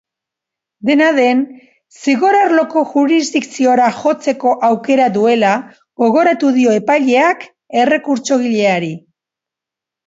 Dena den, zigor-arloko jurisdikziora jotzeko aukera duela gogoratu dio epaileak errekurtsogileari.